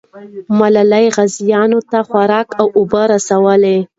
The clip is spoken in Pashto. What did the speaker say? ملالۍ غازیانو ته خوراک او اوبه رسولې.